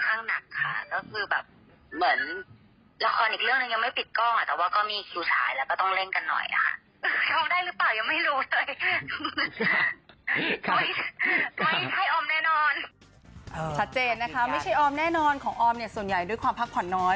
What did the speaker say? ชัดเจนนะคะไม่ใช่ออมแน่นอนของออมเนี่ยส่วนใหญ่ด้วยความพักผ่อนน้อย